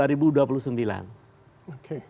ini berlaku dua ribu dua puluh sembilan